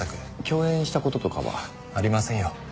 共演した事とかは？ありませんよ。